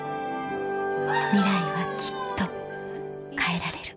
ミライはきっと変えられる